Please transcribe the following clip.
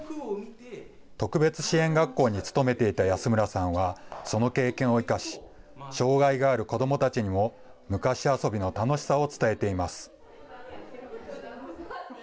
特別支援学校に勤めていた安村さんは、その経験を生かし、障害がある子どもたちにも昔遊びの楽しさを伝えています。